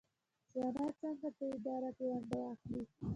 ځوانان څنګه په اداره کې ونډه اخلي؟